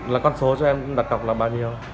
là con số cho em đặt cọc là bao nhiêu